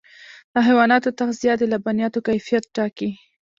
د حیواناتو تغذیه د لبنیاتو کیفیت ټاکي.